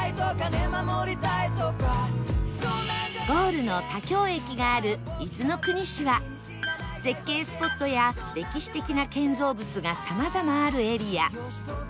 ゴールの田京駅がある伊豆の国市は絶景スポットや歴史的な建造物がさまざまあるエリア